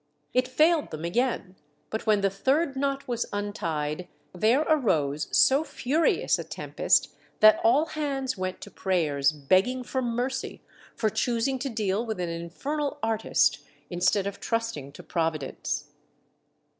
It failed them ao ain, but when the third knot was untied there arose so furious a tempest that all hands went to prayers, begging for mercy for choosing to deal with an infernal artist instead of trusting to Providence.'